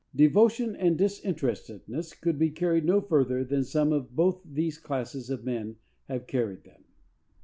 Devotion and disinterestedness could be carried no further than some of both these classes of men have carried them.